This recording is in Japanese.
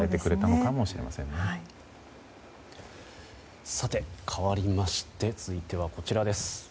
かわりまして続いてはこちらです。